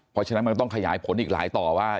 เพราะฉะนั้นมันก็ต้องขยายผลอีกหลายต่อว่า